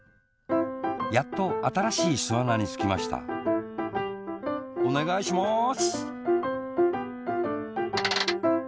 やっとあたらしいすあなにつきましたおねがいします！